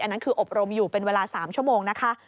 นั่นคืออบรมอยู่เป็นเวลา๓ชั่วโมงนะคะ